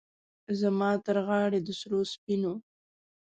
زما ترغاړې د سرو، سپینو،